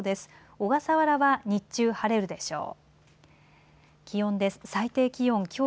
小笠原は日中、晴れるでしょう。